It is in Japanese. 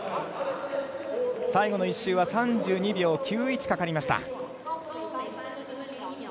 最後の１周は３２秒９１かかりました。